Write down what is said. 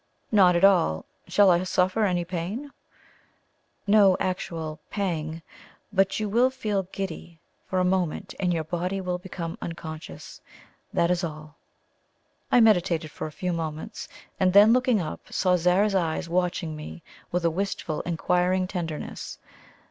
"Not at all. Shall I suffer any pain?" "No actual pang. You will feel giddy for a moment, and your body will become unconscious. That is all." I meditated for a few moments, and then looking up, saw Zara's eyes watching me with a wistful inquiring tenderness.